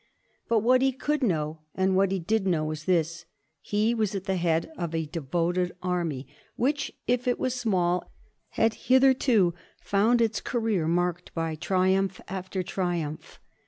But what he could know, what he did know, was this : He was at the head of a devoted army, which if it was small had hither to found its career marked by triumph after triumph.